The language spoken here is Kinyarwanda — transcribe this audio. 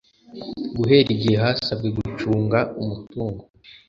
guhera igihe hasabwe gucunga umutungo